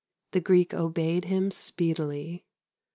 The Greek obeyed him speedily.